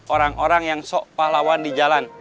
orang orang yang sok pahlawan di jalan